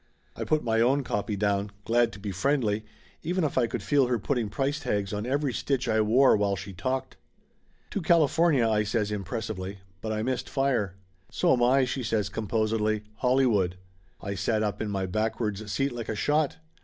I put my own copy down, glad to be friendly, even if I could feel her putting price tags on every stitch I wore while she talked. 58 Laughter Limited "To California!" I says impressively. But I missed fire. "So am I," she says composedly. "Hollywood !" I sat up in my backwards seat like a shot.